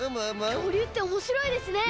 きょうりゅうっておもしろいですね！